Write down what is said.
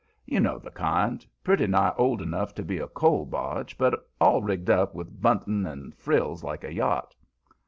You know the kind: pretty nigh old enough to be a coal barge, but all rigged up with bunting and frills like a yacht.